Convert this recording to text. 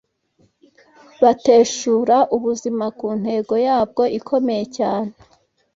Bateshura ubuzima ku ntego yabwo ikomeye cyane